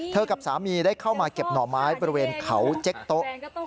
กับสามีได้เข้ามาเก็บหน่อไม้บริเวณเขาเจ๊กโต๊ะ